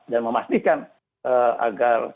dan memastikan agar